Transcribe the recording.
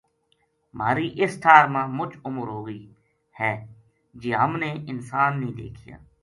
مہاری اس ٹھار ما مچ عمر ہو گئی ہے جی ہم نے انسان نیہہ دیکھیا